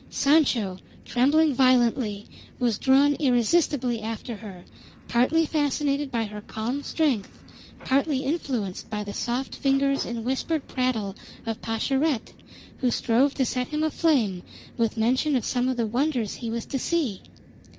Sancho, trembling violently, was drawn irresistibly after her, partly fascinated by her calm strength, partly influenced by the soft fingers and whispered prattle of Pascherette, who strove to set him aflame with mention of some of the wonders he was to see.